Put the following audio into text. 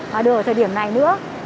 mà được ở thời điểm này nữa